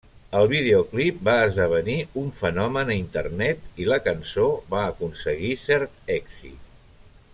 El videoclip va esdevenir un fenomen a internet i la cançó va aconseguir cert èxit.